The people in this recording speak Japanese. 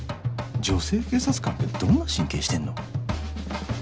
女性警察官ってどんな神経してんの？